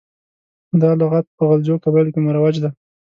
دا لغات په غلجو قبایلو کې مروج دی.